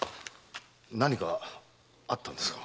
何かあったんですか？